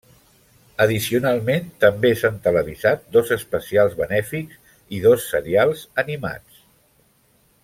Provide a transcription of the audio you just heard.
Addicionalment, també s'han televisat dos especials benèfics i dos serials animats.